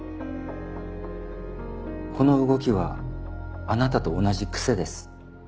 この動きはあなたと同じ癖です。